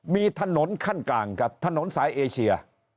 มีถนนขั้นกลางครับถนนสายเอเชีย